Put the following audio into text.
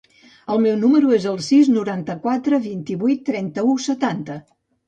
El meu número es el sis, noranta-quatre, vint-i-vuit, trenta-u, setanta.